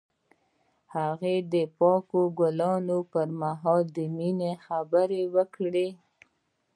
هغه د پاک ګلونه پر مهال د مینې خبرې وکړې.